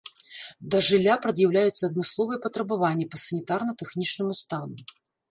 Да жылля прад'яўляюцца адмысловыя патрабаванні па санітарна-тэхнічнаму стану.